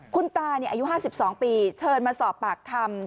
คุณตาอายุ๕๒ปีเชิญมาสอบปากคำ